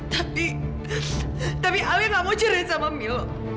tapi tapi alia gak mau cerai sama milo